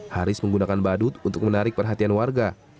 haris menggunakan badut untuk menarik perhatian warga